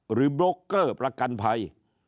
โบรกเกอร์ประกันภัย